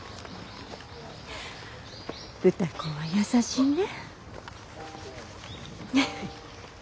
歌子は優しいね。